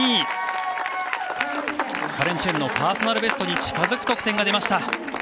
カレン・チェンのパーソナルベストに近付く得点が出ました。